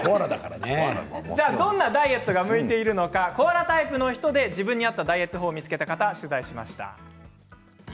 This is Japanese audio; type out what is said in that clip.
どんなダイエットが向いているのか自分に合ったダイエット法を見つけた方を取材しました。